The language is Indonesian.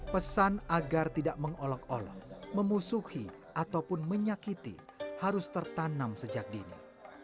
pesan agar tidak mengolok olok memusuhi ataupun menyakiti harus tertanam sejak dini